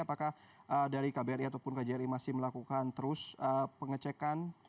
apakah dari kbri ataupun kjri masih melakukan terus pengecekan